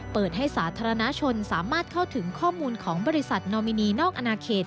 เปิดให้สาธารณชนสามารถเข้าถึงข้อมูลของบริษัทนอมินีนอกอนาเขต